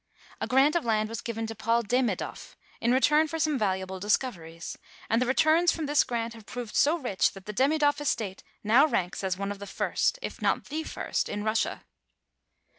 A grant of land was given to Paul Demidoff in return for some valuable discoveries, and the returns from this grant have proved so rich that the Demidoff estate now ranks as one of the first, if not the first, in Russia.